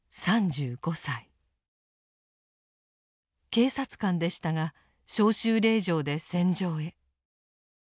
警察官でしたが召集令状で戦場へ。